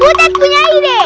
butet punya ide